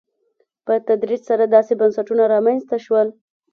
په تدریج سره داسې بنسټونه رامنځته شول.